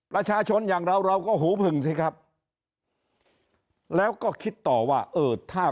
ประชาชนอย่างเราเราก็หูผึ่งสิครับแล้วก็คิดต่อว่าเออถ้า